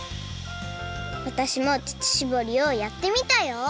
わたしも乳しぼりをやってみたよ！